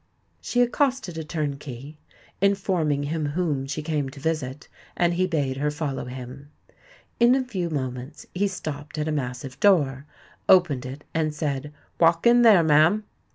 She accosted a turnkey, informing him whom she came to visit; and he bade her follow him. In a few moments he stopped at a massive door, opened it, and said, "Walk in there, ma'am."